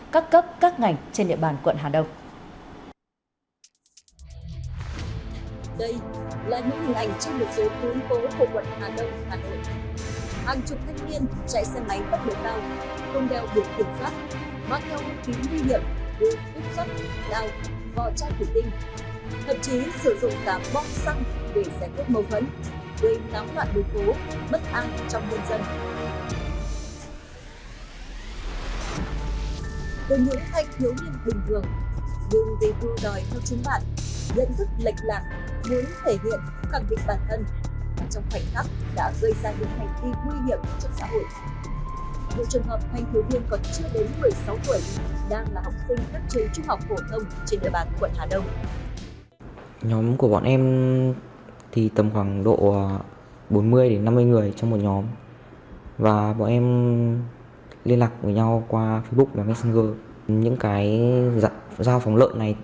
các cấp các ngành trên địa bàn quận hà đông